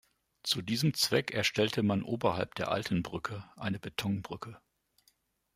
Zu diesem Zweck erstellte man oberhalb der alten Brücke eine Betonbrücke.